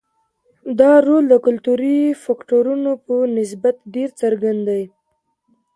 دا رول د کلتوري فکټورونو په نسبت ډېر څرګند دی.